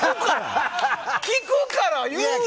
聞くから言う！